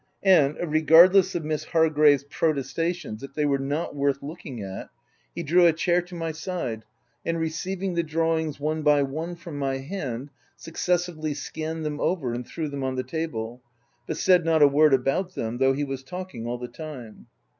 And, regardless of Miss Hargrave's protes tations, that they were not worth looking at, he drew a chair to my side, and receiving the draw ings, one by one from my hand, successively OP WILDFELL HALL. 301 scanned them over, and threw them on the table, but said not a word about them, though he was talking all the time.